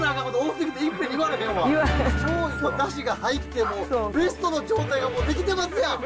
すごい！出汁が入ってもうベストの状態ができてますやん！